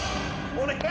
お願い！